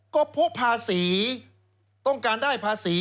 ก็เพราะภาษีต้องการได้ภาษี